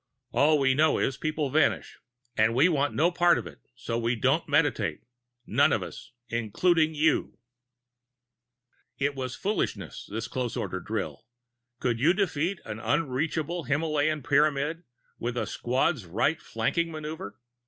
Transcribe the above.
"All we know is, people vanish. And we want no part of it, so we don't meditate. None of us including you!" It was foolishness, this close order drill. Could you defeat the unreachable Himalayan Pyramid with a squads right flanking maneuver?